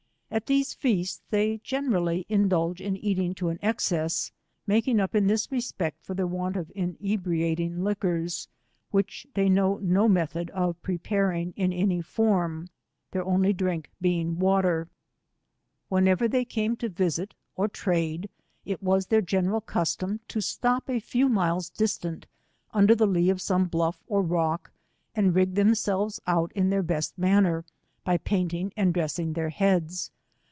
At these feasts they generally indulge in eating to as excess, making up in this respect for thar want of iniebratiog liquors, which they know no method of preparing in any form, their only drink being watef. ( 97 Whenever they came to visit or trade, it vpas their general custom, to stop a few miles distant under the Ice of some bluff or rock, and rig them selves out in their be»t manner, by painting and drftssing their heads.